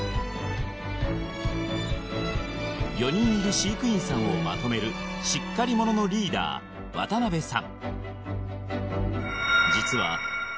４人いる飼育員さんをまとめるしっかり者のリーダー渡辺さん